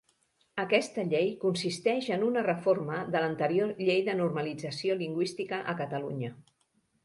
Aquesta llei consisteix en una reforma de l'anterior Llei de Normalització Lingüística a Catalunya.